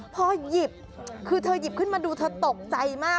พอหยิบคือเธอหยิบขึ้นมาดูเธอตกใจมาก